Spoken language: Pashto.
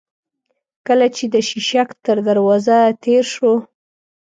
کله چې د شېشک تر دروازه تېر شوو.